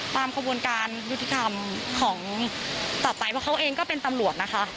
ขบวนการยุติธรรมของต่อไปเพราะเขาเองก็เป็นตำรวจนะคะ